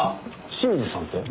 清水さんって？